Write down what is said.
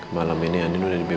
malam ini andi udah dibebasin